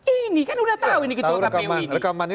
ini kan sudah tahu ini kpu ini